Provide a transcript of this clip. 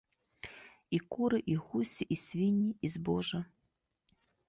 І куры, і гусі, і свінні, і збожжа.